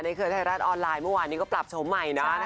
เครือไทยรัฐออนไลน์เมื่อวานนี้ก็ปรับชมใหม่นะ